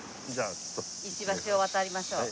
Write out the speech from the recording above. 石橋を渡りましょう。